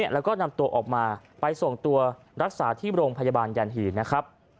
แล้วก็นำตัวออกมาไปส่งตัวรักษาที่โรงพยาบาลยันหีนะครับ